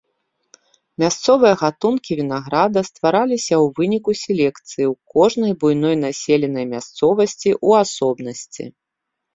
Мясцовыя гатункі вінаграда ствараліся ў выніку селекцыі ў кожнай буйной населенай мясцовасці ў асобнасці.